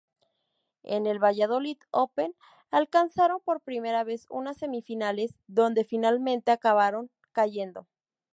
En el Valladolid Open alcanzaron por primera vez unas semifinales, donde finalmente acabaron cayendo.